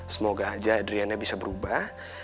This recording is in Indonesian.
semoga aja adriannya bisa berubah